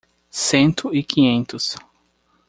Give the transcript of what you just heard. Cento e quinhentos